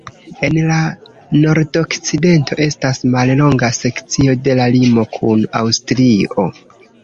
En la nordokcidento estas mallonga sekcio de la limo kun Aŭstrio.